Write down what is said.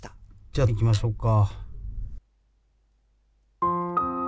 じゃあ、いきましょうか。